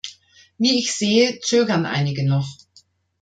Wie ich sehe, zögern einige noch.